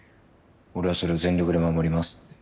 「俺はそれを全力で守ります」って。